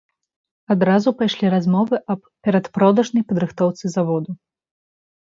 Адразу пайшлі размовы аб перадпродажнай падрыхтоўцы заводу.